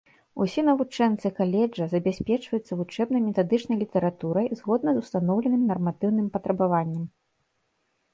Усе навучэнцы каледжа забяспечваюцца вучэбна-метадычнай літаратурай згодна з устаноўленым нарматыўным патрабаванням.